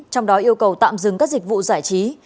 trong đó yêu cầu tạm dừng các dịch vụ giải trí